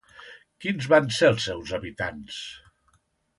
Quins van ser els seus habitants?